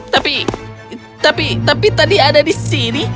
tapi tapi tadi ada di sini